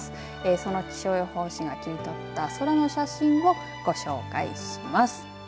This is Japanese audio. その気象予報士が切り取った空の写真をご紹介します。